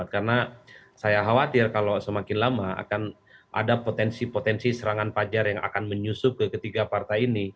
karena saya khawatir kalau semakin lama akan ada potensi potensi serangan pajar yang akan menyusup ke ketiga partai ini